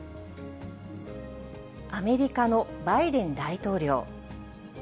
アメリカのバイデン大統領。